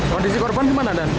kondisi korban gimana